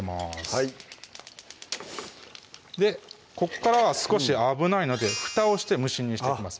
はいこっからは少し危ないので蓋をして蒸し煮にしていきます